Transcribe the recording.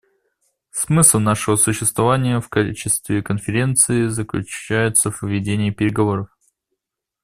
Смысл нашего существования в качестве Конференции заключается в ведении переговоров.